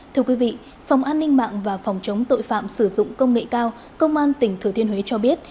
thưa quý vị phòng an ninh mạng và phòng chống tội phạm sử dụng công nghệ cao công an tỉnh thừa thiên huế cho biết